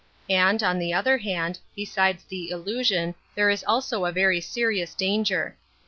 And, on the other hand, besides the illusion there is also a very serious danger.